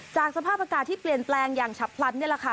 สภาพอากาศที่เปลี่ยนแปลงอย่างฉับพลันนี่แหละค่ะ